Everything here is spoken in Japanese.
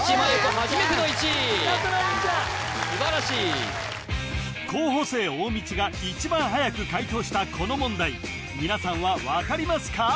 初めての１位やった素晴らしい候補生大道が一番はやく解答したこの問題皆さんは分かりますか？